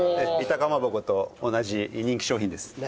板かまぼこと同じ人気商品です。